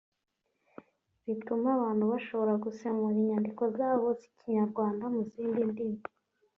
ritume abantu bashobora gusemura inyandiko zabo z’ikinyarwanda mu zindi ndimi